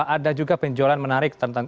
ada juga penjualan menarik